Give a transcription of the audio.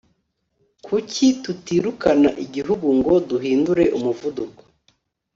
kuki tutirukana igihugu ngo duhindure umuvuduko